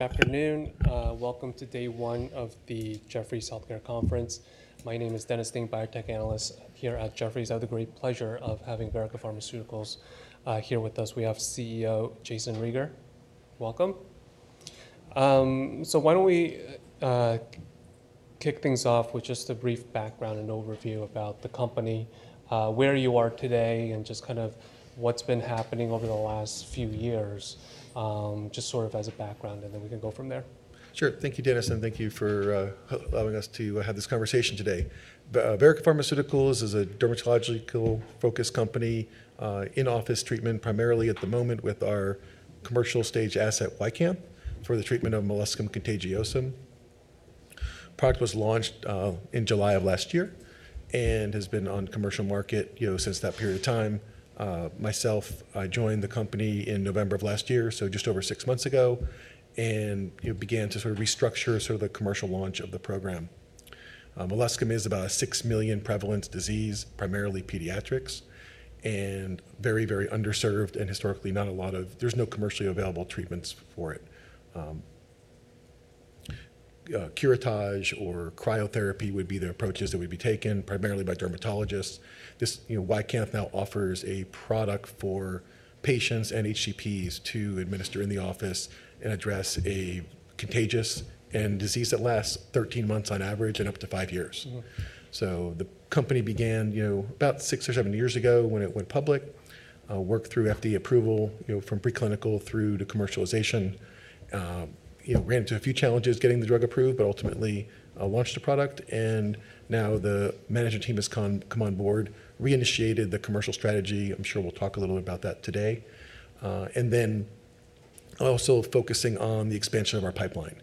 Afternoon. Welcome to day one of the Jefferies Healthcare Conference. My name is Dennis Ding, biotech analyst here at Jefferies. I have the great pleasure of having Verrica Pharmaceuticals here with us. We have CEO Jayson Rieger. Welcome. Why don't we kick things off with just a brief background and overview about the company, where you are today, and just kind of what's been happening over the last few years, just sort of as a background, and then we can go from there. Sure. Thank you, Dennis, and thank you for allowing us to have this conversation today. Verrica Pharmaceuticals is a dermatology-focused company, in-office treatment primarily at the moment with our commercial stage asset, YCANTH, for the treatment of molluscum contagiosum. The product was launched in July of last year and has been on the commercial market since that period of time. Myself, I joined the company in November of last year, so just over six months ago, and began to sort of restructure sort of the commercial launch of the program. Molluscum is about a 6 million prevalence disease, primarily pediatrics, and very, very underserved and historically not a lot of—there's no commercially available treatments for it. Curettage or cryotherapy would be the approaches that would be taken primarily by dermatologists. YCANTH now offers a product for patients and HCPs to administer in the office and address a contagious disease that lasts 13 months on average and up to five years. The company began about six or seven years ago when it went public, worked through FDA approval from preclinical through to commercialization. We ran into a few challenges getting the drug approved, but ultimately launched the product, and now the management team has come on board, reinitiated the commercial strategy. I'm sure we'll talk a little bit about that today. Also focusing on the expansion of our pipeline.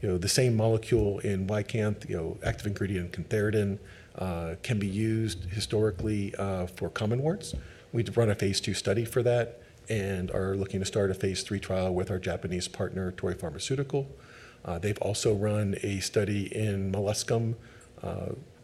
The same molecule in YCANTH, active ingredient in cantharidin, can be used historically for common warts. We've run a phase II study for that and are looking to start a phase III trial with our Japanese partner, Torii Pharmaceutical. They've also run a study in molluscum,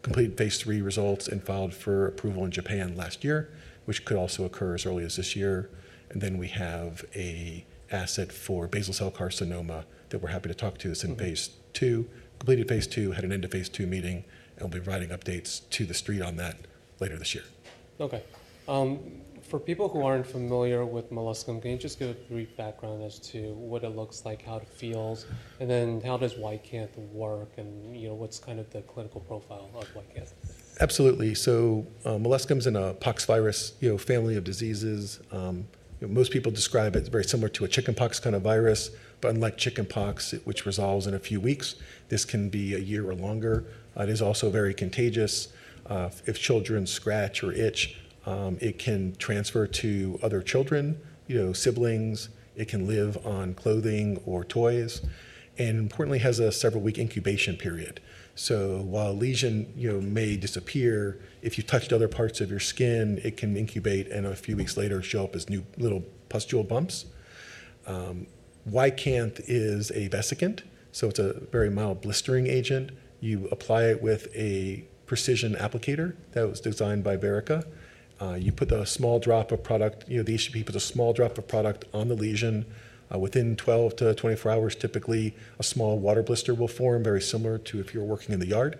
completed phase III results, and filed for approval in Japan last year, which could also occur as early as this year. We have an asset for basal cell carcinoma that we're happy to talk to us in phase II. Completed phase II, had an end of phase II meeting, and we'll be writing updates to the street on that later this year. Okay. For people who aren't familiar with molluscum, can you just give a brief background as to what it looks like, how it feels, and then how does YCANTH work, and what's kind of the clinical profile of YCANTH? Absolutely. Molluscum is in a pox virus family of diseases. Most people describe it as very similar to a chickenpox kind of virus, but unlike chickenpox, which resolves in a few weeks, this can be a year or longer. It is also very contagious. If children scratch or itch, it can transfer to other children, siblings. It can live on clothing or toys, and importantly, has a several-week incubation period. While a lesion may disappear, if you touched other parts of your skin, it can incubate and a few weeks later show up as little pustule bumps. YCANTH is a vesicant, so it's a very mild blistering agent. You apply it with a precision applicator that was designed by Verrica. You put a small drop of product—these should be put a small drop of product on the lesion. Within 12-24 hours, typically, a small water blister will form, very similar to if you're working in the yard.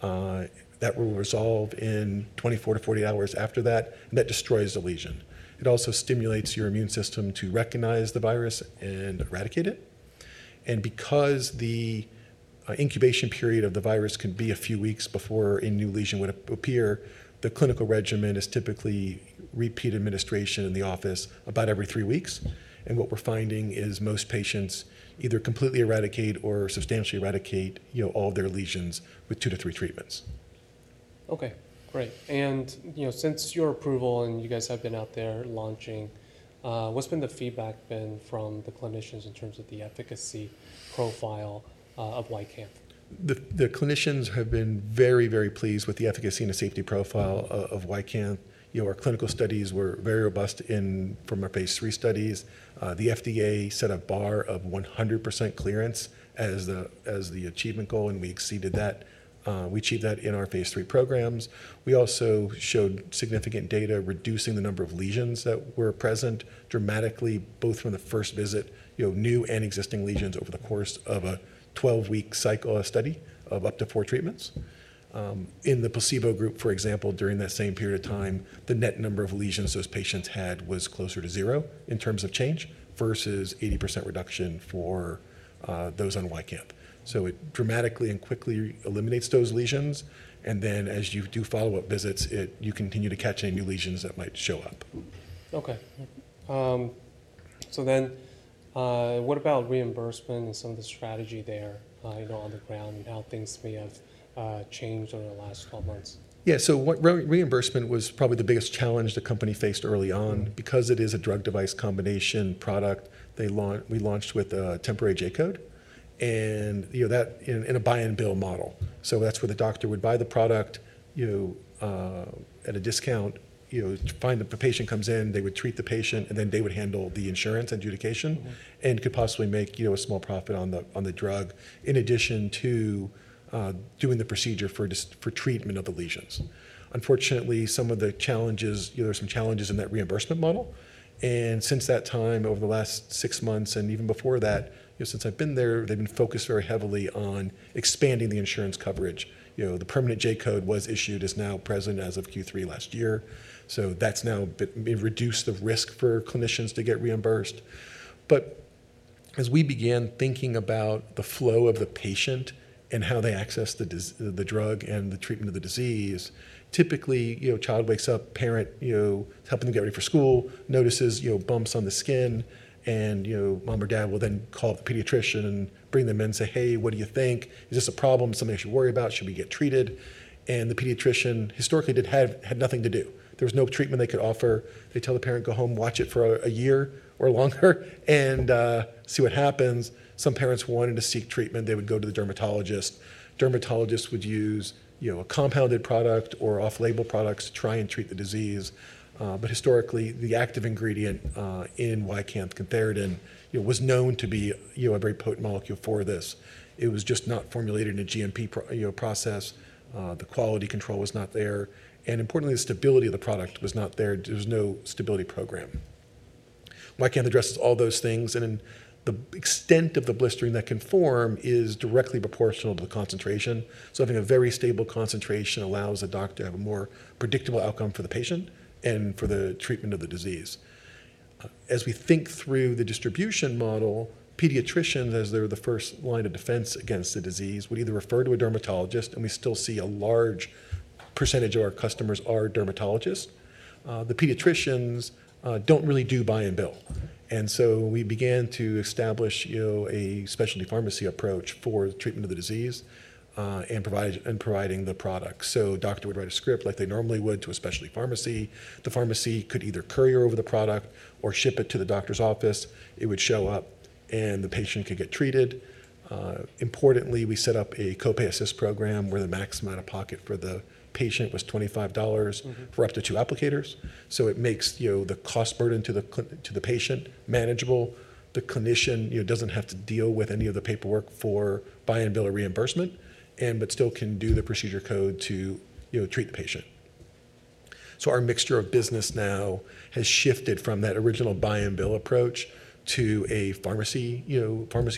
That will resolve in 24-48 hours after that, and that destroys the lesion. It also stimulates your immune system to recognize the virus and eradicate it. Because the incubation period of the virus can be a few weeks before a new lesion would appear, the clinical regimen is typically repeat administration in the office about every three weeks. What we're finding is most patients either completely eradicate or substantially eradicate all their lesions with two to three treatments. Okay. Great. Since your approval and you guys have been out there launching, what's the feedback been from the clinicians in terms of the efficacy profile of YCANTH? The clinicians have been very, very pleased with the efficacy and the safety profile of YCANTH. Our clinical studies were very robust from our phase III studies. The FDA set a bar of 100% clearance as the achievement goal, and we exceeded that. We achieved that in our phase III programs. We also showed significant data reducing the number of lesions that were present dramatically, both from the first visit, new and existing lesions over the course of a 12-week cycle of study of up to four treatments. In the placebo group, for example, during that same period of time, the net number of lesions those patients had was closer to zero in terms of change versus 80% reduction for those on YCANTH. It dramatically and quickly eliminates those lesions. As you do follow-up visits, you continue to catch any new lesions that might show up. Okay. What about reimbursement and some of the strategy there on the ground and how things may have changed over the last 12 months? Yeah. Reimbursement was probably the biggest challenge the company faced early on. Because it is a drug-device combination product, we launched with a temporary J-code and in a buy-and-bill model. That is where the doctor would buy the product at a discount. A patient comes in, they would treat the patient, and then they would handle the insurance adjudication and could possibly make a small profit on the drug in addition to doing the procedure for treatment of the lesions. Unfortunately, there are some challenges in that reimbursement model. Since that time, over the last six months and even before that, since I have been there, they have been focused very heavily on expanding the insurance coverage. The permanent J-code was issued, is now present as of Q3 last year. That has now reduced the risk for clinicians to get reimbursed. As we began thinking about the flow of the patient and how they access the drug and the treatment of the disease, typically a child wakes up, parent helping the guy ready for school, notices bumps on the skin, and mom or dad will then call the pediatrician and bring them in and say, "Hey, what do you think? Is this a problem? Something I should worry about? Should we get treated?" The pediatrician historically had nothing to do. There was no treatment they could offer. They tell the parent, "Go home, watch it for a year or longer and see what happens." Some parents wanted to seek treatment. They would go to the dermatologist. Dermatologists would use a compounded product or off-label products to try and treat the disease. Historically, the active ingredient in YCANTH, cantharidin, was known to be a very potent molecule for this. It was just not formulated in a GMP process. The quality control was not there. Importantly, the stability of the product was not there. There was no stability program. YCANTH addresses all those things. The extent of the blistering that can form is directly proportional to the concentration. Having a very stable concentration allows a doctor to have a more predictable outcome for the patient and for the treatment of the disease. As we think through the distribution model, pediatricians, as they're the first line of defense against the disease, would either refer to a dermatologist, and we still see a large percentage of our customers are dermatologists. The pediatricians do not really do buy and bill. We began to establish a specialty pharmacy approach for the treatment of the disease and providing the product. Doctor would write a script like they normally would to a specialty pharmacy. The pharmacy could either courier over the product or ship it to the doctor's office. It would show up, and the patient could get treated. Importantly, we set up a copay assist program where the maximum out-of-pocket for the patient was $25 for up to two applicators. It makes the cost burden to the patient manageable. The clinician doesn't have to deal with any of the paperwork for buy and bill or reimbursement, but still can do the procedure code to treat the patient. Our mixture of business now has shifted from that original buy and bill approach to a pharmacy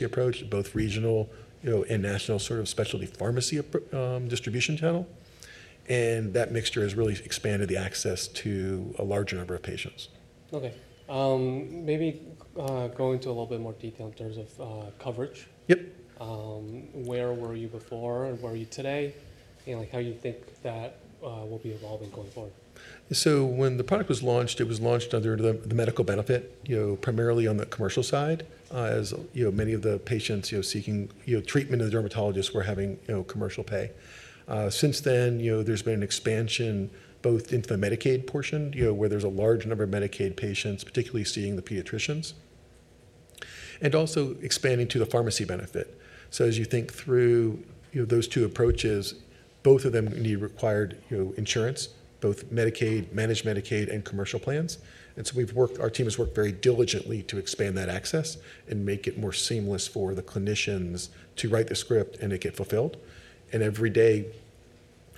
approach, both regional and national sort of specialty pharmacy distribution channel. That mixture has really expanded the access to a larger number of patients. Okay. Maybe go into a little bit more detail in terms of coverage. Where were you before and where are you today, and how do you think that will be evolving going forward? When the product was launched, it was launched under the medical benefit, primarily on the commercial side, as many of the patients seeking treatment of the dermatologist were having commercial pay. Since then, there's been an expansion both into the Medicaid portion, where there's a large number of Medicaid patients, particularly seeing the pediatricians, and also expanding to the pharmacy benefit. As you think through those two approaches, both of them required insurance, both Medicaid, managed Medicaid, and commercial plans. Our team has worked very diligently to expand that access and make it more seamless for the clinicians to write the script and it get fulfilled. Every day,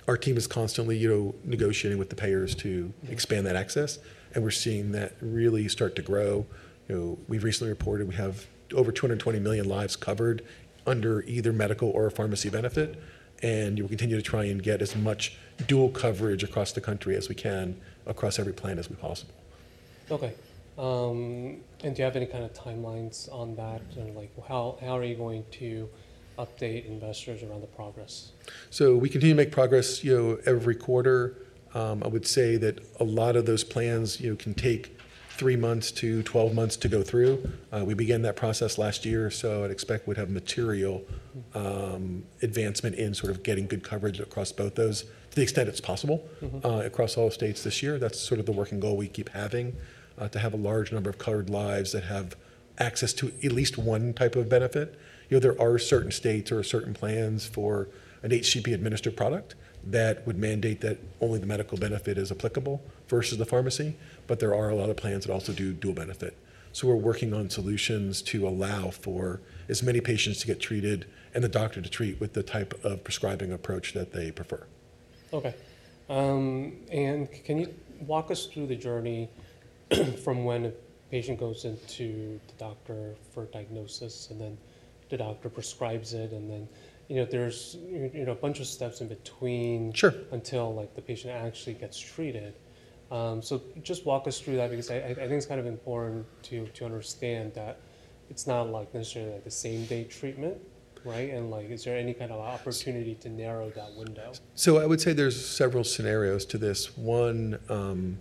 our team is constantly negotiating with the payers to expand that access, and we're seeing that really start to grow. We've recently reported we have over 220 million lives covered under either medical or pharmacy benefit, and we continue to try and get as much dual coverage across the country as we can across every plan as we possibly can. Okay. Do you have any kind of timelines on that? How are you going to update investors around the progress? We continue to make progress every quarter. I would say that a lot of those plans can take 3 months to 12 months to go through. We began that process last year, so I'd expect we'd have material advancement in sort of getting good coverage across both those to the extent it's possible across all states this year. That's sort of the working goal we keep having, to have a large number of covered lives that have access to at least one type of benefit. There are certain states or certain plans for an HCP administered product that would mandate that only the medical benefit is applicable versus the pharmacy, but there are a lot of plans that also do dual benefit. We're working on solutions to allow for as many patients to get treated and the doctor to treat with the type of prescribing approach that they prefer. Okay. Can you walk us through the journey from when a patient goes into the doctor for diagnosis, and then the doctor prescribes it, and then there's a bunch of steps in between until the patient actually gets treated? Just walk us through that because I think it's kind of important to understand that it's not like necessarily the same-day treatment, right? Is there any kind of opportunity to narrow that window? I would say there's several scenarios to this. One,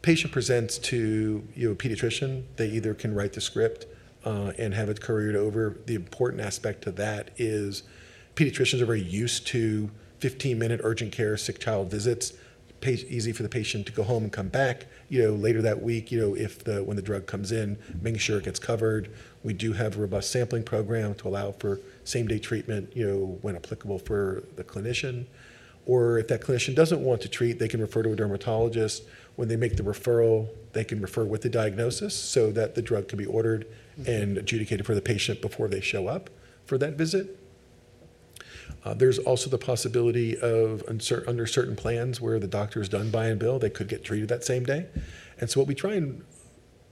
patient presents to a pediatrician. They either can write the script and have it couriered over. The important aspect of that is pediatricians are very used to 15-minute urgent care sick child visits. Easy for the patient to go home and come back later that week when the drug comes in, making sure it gets covered. We do have a robust sampling program to allow for same-day treatment when applicable for the clinician. If that clinician doesn't want to treat, they can refer to a dermatologist. When they make the referral, they can refer with the diagnosis so that the drug can be ordered and adjudicated for the patient before they show up for that visit. There's also the possibility of under certain plans where the doctor has done buy and bill, they could get treated that same day. What we try and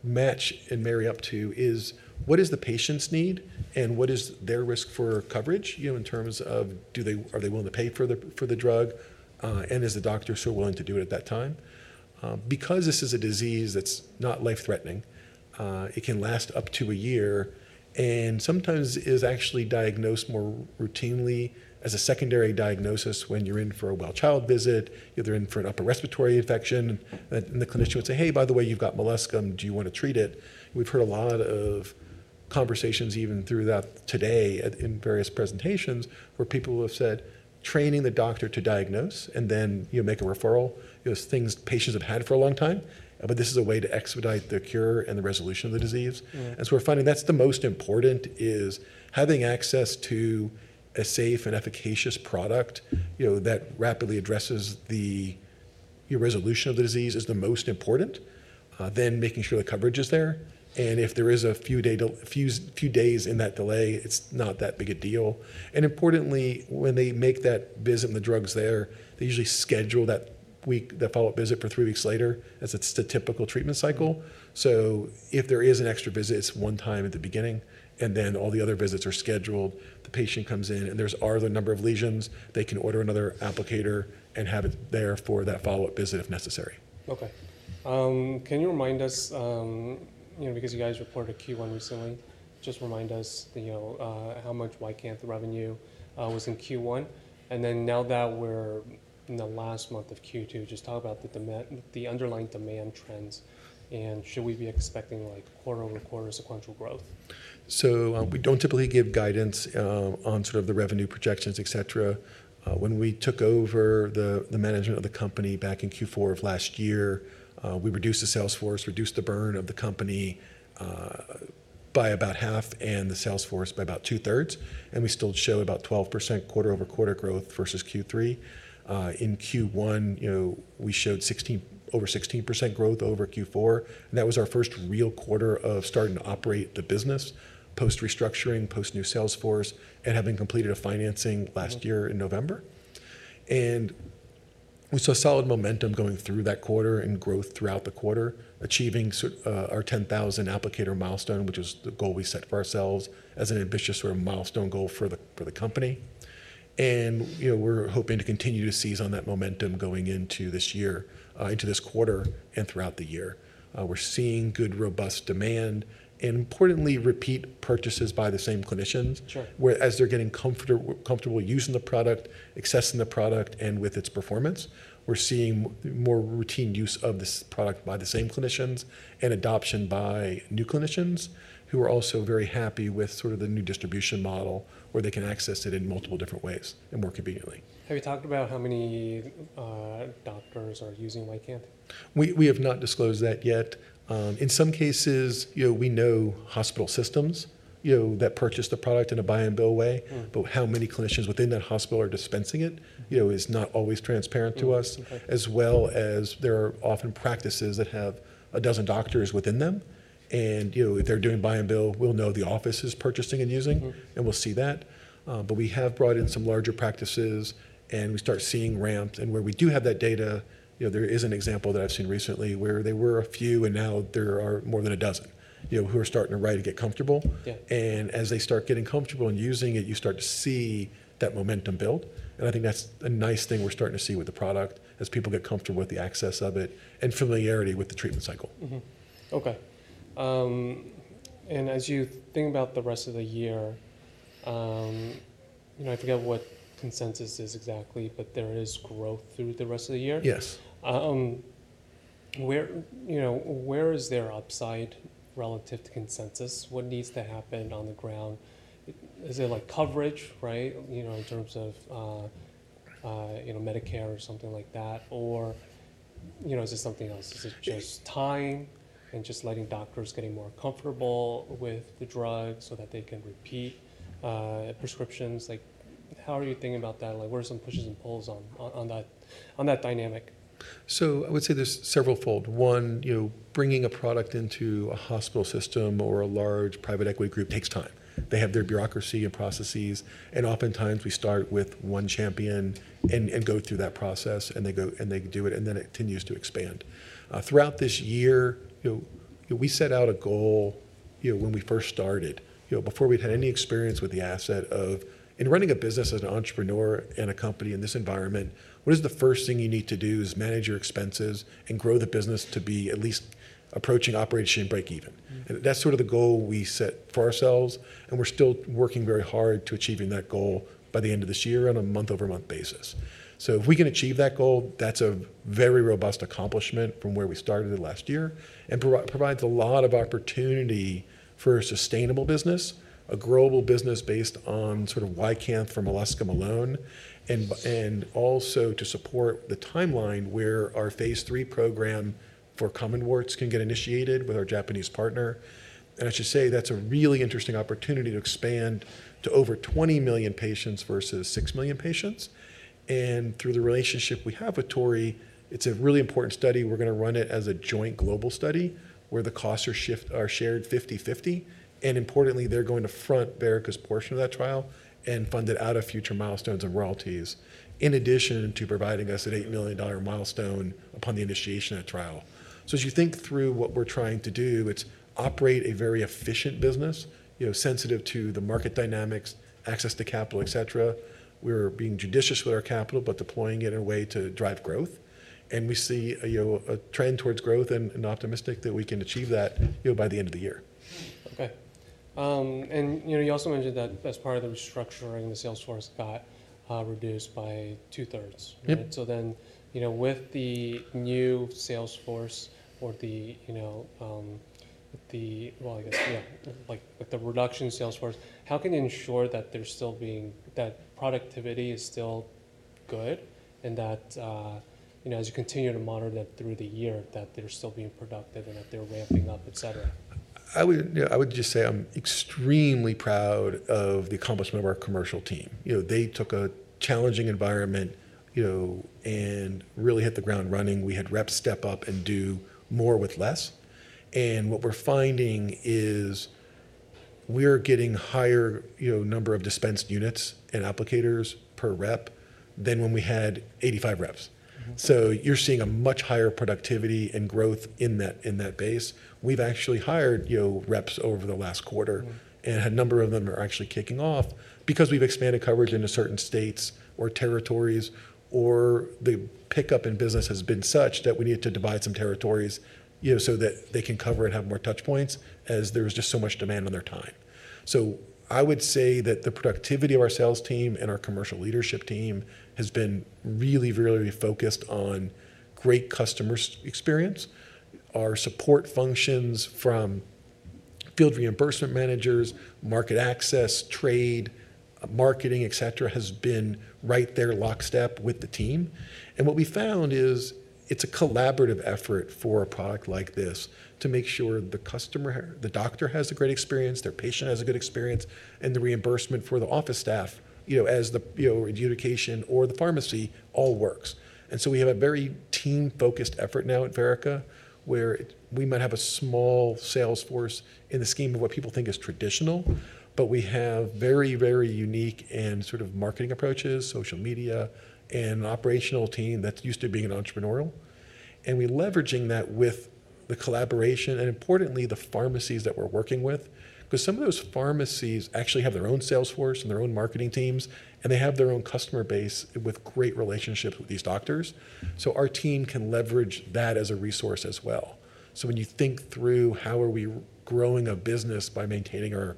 match and marry up to is what is the patient's need and what is their risk for coverage in terms of are they willing to pay for the drug, and is the doctor still willing to do it at that time? This is a disease that's not life-threatening, it can last up to a year and sometimes is actually diagnosed more routinely as a secondary diagnosis when you're in for a well-child visit, either in for an upper respiratory infection. The clinician would say, "Hey, by the way, you've got molluscum. Do you want to treat it?" We've heard a lot of conversations even through that today in various presentations where people have said training the doctor to diagnose and then make a referral is things patients have had for a long time, but this is a way to expedite the cure and the resolution of the disease. We're finding that's the most important is having access to a safe and efficacious product that rapidly addresses the resolution of the disease is the most important, then making sure the coverage is there. If there is a few days in that delay, it's not that big a deal. Importantly, when they make that visit and the drug's there, they usually schedule that follow-up visit for three weeks later as it's the typical treatment cycle. If there is an extra visit, it's one time at the beginning, and then all the other visits are scheduled. The patient comes in and there are the number of lesions, they can order another applicator and have it there for that follow-up visit if necessary. Okay. Can you remind us, because you guys reported Q1 recently, just remind us how much YCANTH revenue was in Q1? And then now that we're in the last month of Q2, just talk about the underlying demand trends and should we be expecting quarter-over-quarter sequential growth? We don't typically give guidance on sort of the revenue projections, etc. When we took over the management of the company back in Q4 of last year, we reduced the sales force, reduced the burn of the company by about half and the sales force by about two-thirds, and we still show about 12% quarter-over-quarter growth versus Q3. In Q1, we showed over 16% growth over Q4. That was our first real quarter of starting to operate the business post-restructuring, post-new sales force, and having completed a financing last year in November. We saw solid momentum going through that quarter and growth throughout the quarter, achieving our 10,000 applicator milestone, which is the goal we set for ourselves as an ambitious sort of milestone goal for the company. We're hoping to continue to seize on that momentum going into this year, into this quarter and throughout the year. We're seeing good robust demand and importantly, repeat purchases by the same clinicians whereas they're getting comfortable using the product, accessing the product, and with its performance. We're seeing more routine use of this product by the same clinicians and adoption by new clinicians who are also very happy with sort of the new distribution model where they can access it in multiple different ways and more conveniently. Have you talked about how many doctors are using YCANTH? We have not disclosed that yet. In some cases, we know hospital systems that purchase the product in a buy and bill way, but how many clinicians within that hospital are dispensing it is not always transparent to us, as well as there are often practices that have a dozen doctors within them. If they're doing buy and bill, we'll know the office is purchasing and using, and we'll see that. We have brought in some larger practices, and we start seeing ramps. Where we do have that data, there is an example that I've seen recently where there were a few, and now there are more than a dozen who are starting to write and get comfortable. As they start getting comfortable and using it, you start to see that momentum build. I think that's a nice thing we're starting to see with the product as people get comfortable with the access of it and familiarity with the treatment cycle. Okay. As you think about the rest of the year, I forget what consensus is exactly, but there is growth through the rest of the year. Yes. Where is there upside relative to consensus? What needs to happen on the ground? Is there coverage, right, in terms of Medicare or something like that? Is it something else? Is it just time and just letting doctors get more comfortable with the drug so that they can repeat prescriptions? How are you thinking about that? Where are some pushes and pulls on that dynamic? I would say there's several fold. One, bringing a product into a hospital system or a large private equity group takes time. They have their bureaucracy and processes, and oftentimes we start with one champion and go through that process, and they do it, and then it continues to expand. Throughout this year, we set out a goal when we first started, before we'd had any experience with the asset of, in running a business of an entrepreneur and a company in this environment, what is the first thing you need to do is manage your expenses and grow the business to be at least approaching operation break-even. That's sort of the goal we set for ourselves, and we're still working very hard to achieving that goal by the end of this year on a month-over-month basis. If we can achieve that goal, that's a very robust accomplishment from where we started last year and provides a lot of opportunity for a sustainable business, a global business based on sort of YCANTH for molluscum alone, and also to support the timeline where our phase III program for common warts can get initiated with our Japanese partner. I should say that's a really interesting opportunity to expand to over 20 million patients versus 6 million patients. Through the relationship we have with Torii, it's a really important study. We're going to run it as a joint global study where the costs are shared 50/50. Importantly, they're going to front Verrica's portion of that trial and fund it out of future milestones and royalties, in addition to providing us an $8 million milestone upon the initiation of that trial. As you think through what we're trying to do, it's operate a very efficient business, sensitive to the market dynamics, access to capital, etc. We're being judicious with our capital, but deploying it in a way to drive growth. We see a trend towards growth and are optimistic that we can achieve that by the end of the year. Okay. You also mentioned that as part of the restructuring, the sales force got reduced by two-thirds. With the new sales force or, I guess, with the reduction in sales force, how can you ensure that productivity is still good and that as you continue to monitor that through the year, that they're still being productive and that they're ramping up, etc.? I would just say I'm extremely proud of the accomplishment of our commercial team. They took a challenging environment and really hit the ground running. We had reps step up and do more with less. What we're finding is we're getting a higher number of dispensed units and applicators per rep than when we had 85 reps. You are seeing a much higher productivity and growth in that base. We've actually hired reps over the last quarter, and a number of them are actually kicking off because we've expanded coverage into certain states or territories, or the pickup in business has been such that we need to divide some territories so that they can cover and have more touchpoints as there's just so much demand on their time. I would say that the productivity of our sales team and our commercial leadership team has been really, really focused on great customer experience. Our support functions from field reimbursement managers, market access, trade, marketing, etc., have been right there lockstep with the team. What we found is it's a collaborative effort for a product like this to make sure the doctor has a great experience, their patient has a good experience, and the reimbursement for the office staff as the adjudication or the pharmacy all works. We have a very team-focused effort now at Verrica where we might have a small sales force in the scheme of what people think is traditional, but we have very, very unique and sort of marketing approaches, social media, and an operational team that's used to being entrepreneurial. We're leveraging that with the collaboration and, importantly, the pharmacies that we're working with because some of those pharmacies actually have their own sales force and their own marketing teams, and they have their own customer base with great relationships with these doctors. Our team can leverage that as a resource as well. When you think through how are we growing a business by maintaining our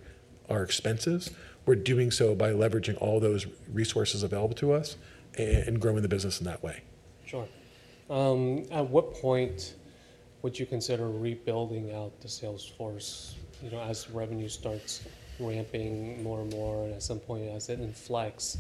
expenses, we're doing so by leveraging all those resources available to us and growing the business in that way. Sure. At what point would you consider rebuilding out the sales force as revenue starts ramping more and more? At some point, as it inflects,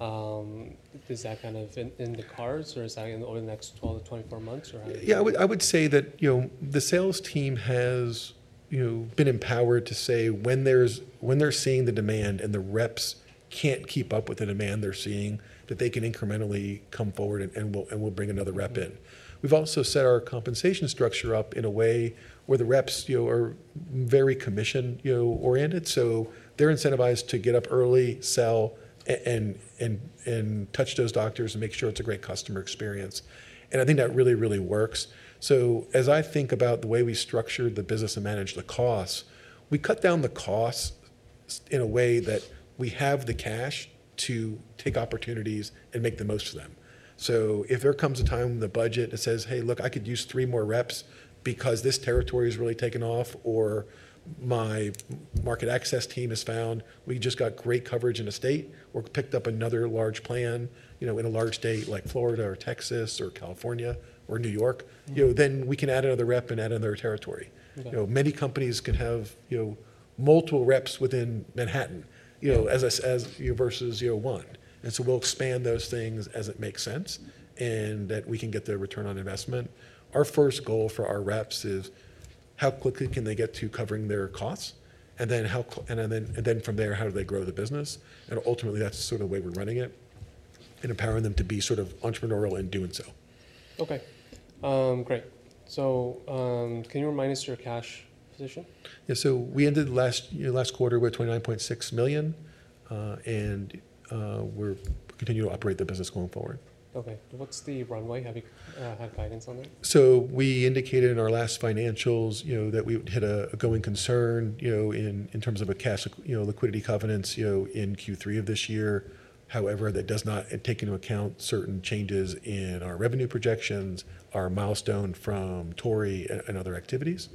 is that kind of in the cards or is that over the next 12-24 months or how? Yeah, I would say that the sales team has been empowered to say when they're seeing the demand and the reps can't keep up with the demand they're seeing, that they can incrementally come forward and we'll bring another rep in. We've also set our compensation structure up in a way where the reps are very commission-oriented. They're incentivized to get up early, sell, and touch those doctors and make sure it's a great customer experience. I think that really, really works. As I think about the way we structured the business and managed the costs, we cut down the costs in a way that we have the cash to take opportunities and make the most of them. If there comes a time in the budget that says, "Hey, look, I could use three more reps because this territory has really taken off," or "My market access team has found we just got great coverage in a state. We're picked up another large plan in a large state like Florida or Texas or California or New York," we can add another rep and add another territory. Many companies can have multiple reps within Manhattan versus one. We will expand those things as it makes sense and that we can get their return on investment. Our first goal for our reps is how quickly can they get to covering their costs? From there, how do they grow the business? Ultimately, that's sort of the way we're running it and empowering them to be sort of entrepreneurial in doing so. Okay. Great. Can you remind us your cash position? Yeah. We ended last quarter with $29.6 million, and we're continuing to operate the business going forward. Okay. What's the runway? Have you had guidance on that? We indicated in our last financials that we hit a going concern in terms of a cash liquidity covenants in Q3 of this year. However, that does not take into account certain changes in our revenue projections, our milestone from Torii, and other activities.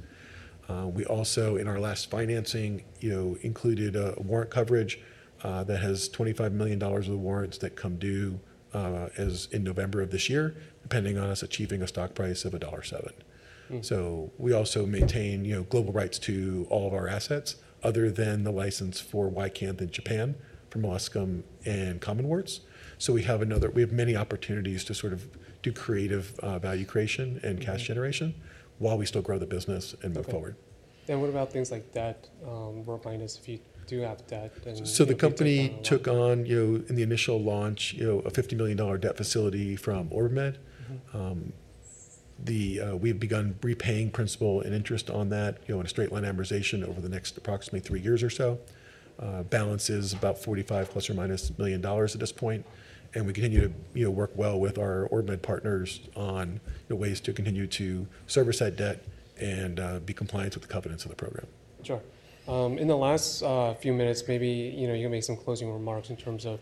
We also, in our last financing, included a warrant coverage that has $25 million of warrants that come due in November of this year, depending on us achieving a stock price of $1.07. We also maintain global rights to all of our assets other than the license for YCANTH in Japan for molluscum and common warts. We have many opportunities to sort of do creative value creation and cash generation while we still grow the business and move forward. What about things like debt? Remind us if you do have debt. The company took on, in the initial launch, a $50 million debt facility from OrbiMed. We have begun repaying principal and interest on that on a straight line amortization over the next approximately three years or so. Balance is about $45 million plus or minus at this point. We continue to work well with our OrbiMed partners on ways to continue to serve our site debt and be compliant with the covenants of the program. Sure. In the last few minutes, maybe you can make some closing remarks in terms of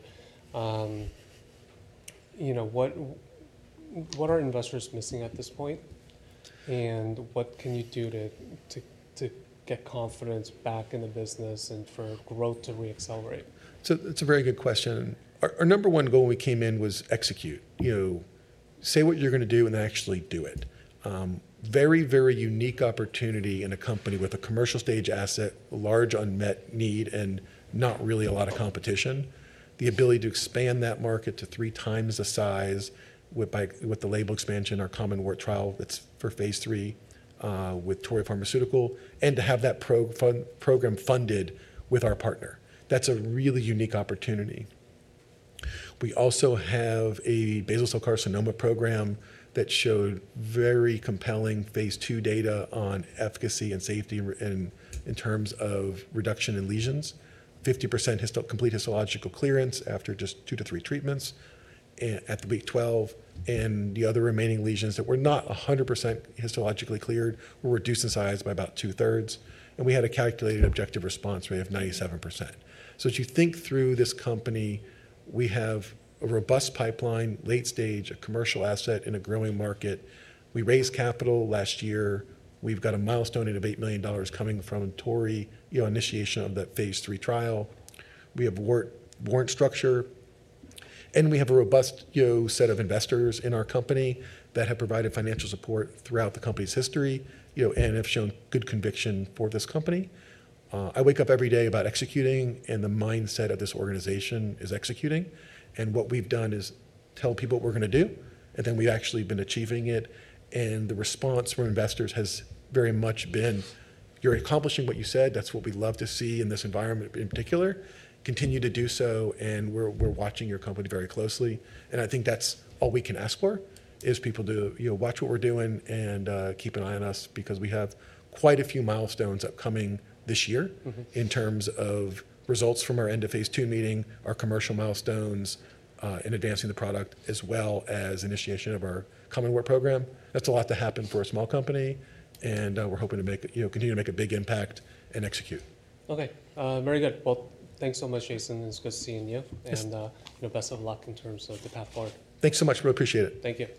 what are investors missing at this point, and what can you do to get confidence back in the business and for growth to reaccelerate? It's a very good question. Our number one goal when we came in was execute. Say what you're going to do and actually do it. Very, very unique opportunity in a company with a commercial stage asset, large unmet need, and not really a lot of competition. The ability to expand that market to three times the size with the label expansion, our common wart trial that's for phase III with Torii Pharmaceutical, and to have that program funded with our partner. That's a really unique opportunity. We also have a basal cell carcinoma program that showed very compelling phase II data on efficacy and safety in terms of reduction in lesions. 50% complete histological clearance after just two to three treatments at the week 12. The other remaining lesions that were not 100% histologically cleared were reduced in size by about two-thirds. We had a calculated objective response rate of 97%. As you think through this company, we have a robust pipeline, late stage, a commercial asset in a growing market. We raised capital last year. We've got a milestone in about $8 million coming from Torii initiation of that phase III trial. We have warrant structure. We have a robust set of investors in our company that have provided financial support throughout the company's history and have shown good conviction for this company. I wake up every day about executing, and the mindset of this organization is executing. What we've done is tell people what we're going to do, and then we've actually been achieving it. The response from investors has very much been, "You're accomplishing what you said. That's what we love to see in this environment in particular. Continue to do so, and we're watching your company very closely." I think that's all we can ask for is people to watch what we're doing and keep an eye on us because we have quite a few milestones upcoming this year in terms of results from our end of phase II meeting, our commercial milestones in advancing the product, as well as initiation of our common wart program. That's a lot to happen for a small company, and we're hoping to continue to make a big impact and execute. Okay. Very good. Thanks so much, Jason. It's good seeing you. Best of luck in terms of the path forward. Thanks so much. We appreciate it. Take care.